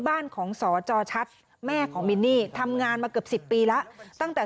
บ้านของสจชัดแม่ของมินนี่ทำงานมาเกือบ๑๐ปีแล้วตั้งแต่